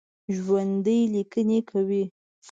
ژوندي لیدنې کوي